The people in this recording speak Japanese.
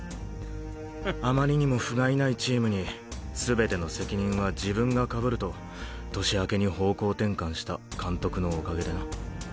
あまりにも不甲斐ないチームにすべての責任は自分がかぶると年明けに方向転換した監督のおかげでな。